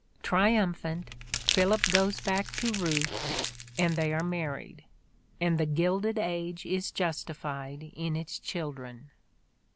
Triumphant, Philip goes back to Ruth, and they are married, and the Gilded Age is justified in its children.